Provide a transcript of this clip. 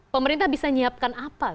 pemerintah bisa nyiapkan apa